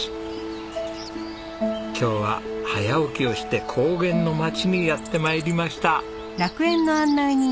今日は早起きをして高原の町にやって参りました。